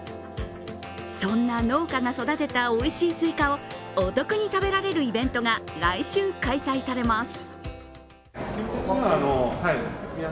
そんな農家が育てたおいしいすいかをお得に食べられるイベントが来週開催されます。